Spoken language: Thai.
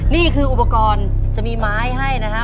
นี่คืออุปกรณ์จะมีไม้ให้นะฮะ